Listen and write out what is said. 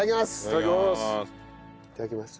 いただきます。